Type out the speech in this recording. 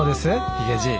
ヒゲじい。